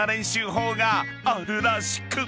［あるらしく］